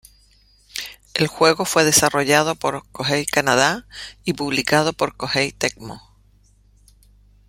El juego fue desarrollado por Koei Canadá y publicado por Koei Tecmo.